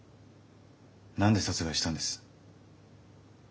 何で殺害したんです？